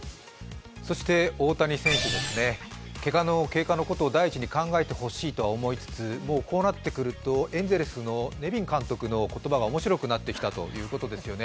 そして大谷選手ですね、けがの経過のことを第一に考えてほしいとは思いつつ、もうこうなってくるとエンゼルスのネビン監督の言葉が面白くなってきたということですね。